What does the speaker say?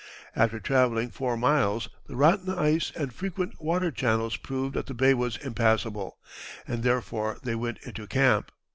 After travelling four miles the rotten ice and frequent water channels proved that the bay was impassable, and therefore they went into camp.